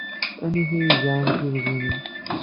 Amek ay iga umtiweg-nnem?